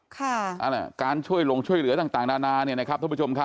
แท่บ๊ายดรเจ็ดคนนี่ไม่พอนะ